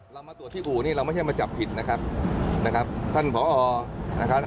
เรามาตรวจที่อู่นี่เราไม่ใช่มาจับผิดนะครับนะครับท่านผอนะครับ